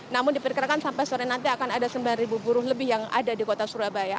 namun diperkirakan sampai sore nanti akan ada sembilan buruh lebih yang ada di kota surabaya